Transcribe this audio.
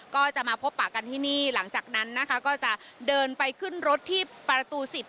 ก็จะมาพบปากกันที่นี่หลังจากนั้นนะคะก็จะเดินไปขึ้นรถที่ประตู๑๐